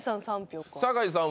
酒井さん